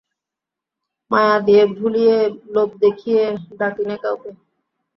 মায়া দিয়ে ভুলিয়ে লোভ দেখিয়ে ডাকি নে কাউকে।